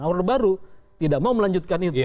orde baru tidak mau melanjutkan itu